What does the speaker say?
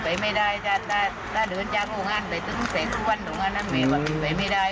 เหมือนว่าเป็นไปไม่ได้ถ้าเดินเจากลงอันไปตื่นเสกทุกอันถึงงานนั้นเหมือนบอกเป็นไปไม่ได้